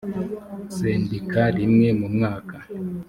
sendika rimwe mu mwaka